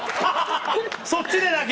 そっちで泣け。